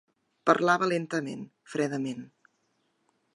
Parlava lentament, fredament.